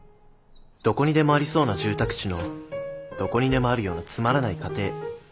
どこにでもありそうな住宅地のどこにでもあるようなつまらない家庭。